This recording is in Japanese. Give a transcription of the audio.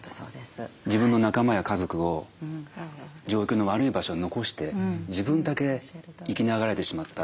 自分の仲間や家族を状況の悪い場所に残して自分だけ生きながらえてしまった。